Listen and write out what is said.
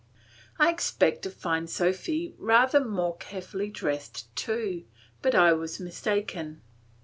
I expected to find Sophy rather more carefully dressed too; but I was mistaken.